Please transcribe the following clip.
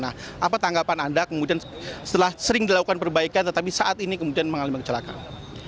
nah apa tanggapan anda kemudian setelah sering dilakukan perbaikan tetapi saat ini kemudian mengalami kecelakaan